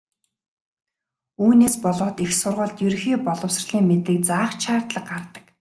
Үүнээс болоод их сургуульд ерөнхий боловсролын мэдлэг заах ч шаардлага гардаг.